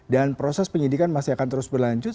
dan proses penyidikan masih akan terus berlanjut